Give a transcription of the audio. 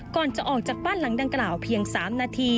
ก่อนจะออกจากบ้านหลังดังกล่าวเพียง๓นาที